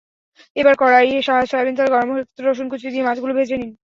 এবার কড়াইয়ে সয়াবিন তেল গরম হলে তাতে রসুন কুচি দিয়ে মাছগুলো দিন।